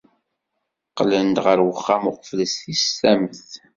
Qqlen-d ɣer uxxam uqbel tis tamet.